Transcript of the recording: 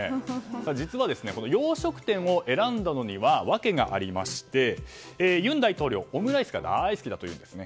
実は洋食店を選んだのには訳があって尹大統領はオムライスが大好きだというんです。